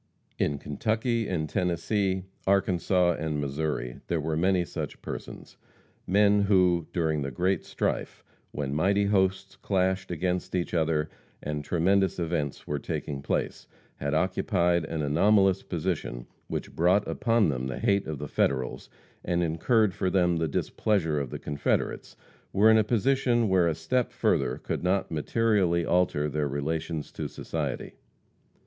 In Kentucky and Tennessee, Arkansas and Missouri, there were many such persons men who, during the great strife, when mighty hosts clashed against each other, and tremendous events were taking place, had occupied an anomalous position which brought upon them the hate of the Federals, and incurred for them the displeasure of the Confederates, were in a position where a step further could not materially alter their relations to society.